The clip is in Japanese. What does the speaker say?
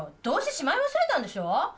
どうせしまい忘れたんでしょう？